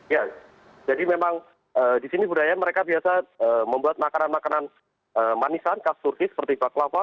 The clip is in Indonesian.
ya jadi memang di sini budaya mereka biasa membuat makanan makanan manisan khas turki seperti baklava